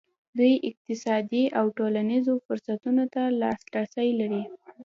دوی اقتصادي او ټولنیزو فرصتونو ته لاسرسی لري.